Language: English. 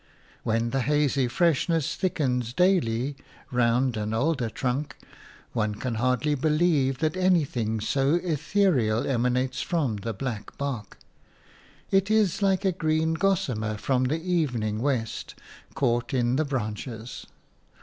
When the hazy freshness thickens daily round an alder trunk, one can hardly believe that anything so ethereal emanates from the black bark; it is like a green gossamer from the evening west caught in the branches.